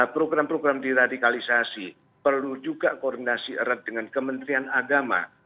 program program diradikalisasi perlu juga koordinasi erat dengan kementerian agama